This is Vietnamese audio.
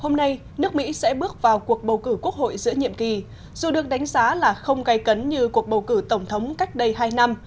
hôm nay nước mỹ sẽ bước vào cuộc bầu cử quốc hội giữa nhiệm kỳ dù được đánh giá là không gây cấn như cuộc bầu cử tổng thống cách đây hai năm